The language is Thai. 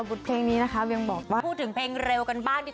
บอกก่อนเรามาเอาเพลงละกันหรือน้องเวียงไม่ดี